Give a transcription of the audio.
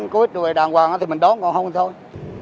có ít đùi đàng hoàng thì mình đón còn không thì thôi